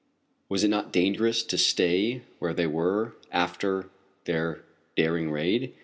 Was it not dangerous to stay where they were after their daring raid?